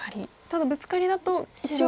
ただブツカリだと。